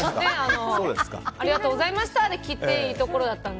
ありがとうございましたで切っていいところだったのに。